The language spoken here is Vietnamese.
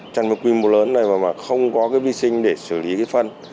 chăn cái quy mô lớn này mà không có cái vi sinh để xử lý cái phân